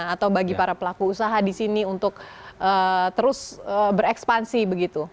atau bagi para pelaku usaha di sini untuk terus berekspansi begitu